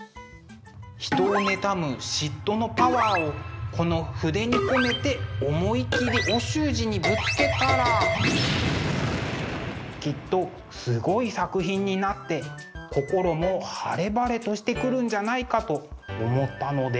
人を妬む嫉妬のパワーをこの筆に込めて思い切りお習字にぶつけたらきっとすごい作品になって心も晴れ晴れとしてくるんじゃないかと思ったのです。